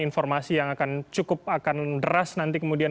informasi yang akan cukup akan deras nanti kemudian